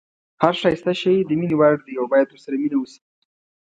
هر ښایسته شی د مینې وړ دی او باید ورسره مینه وشي.